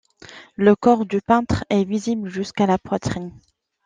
Le corps du peintre est visible jusqu'à la poitrine.